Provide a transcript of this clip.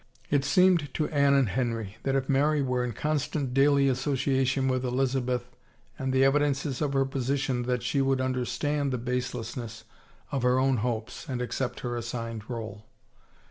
It seemed to Anne and Henry that if Mary were in constant daily association with Elizabeth and the evi dences of her position that she would understand the baselessness of her own hopes and accept her assigned role.